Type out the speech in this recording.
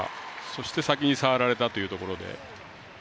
そして先に触られたというところで。